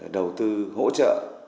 đầu tư hỗ trợ